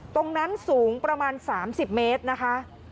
ตรงนั้นสูงประมาณ๓๐เมตรนะคะ